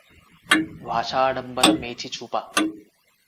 వాచాడంబర Mechi చూప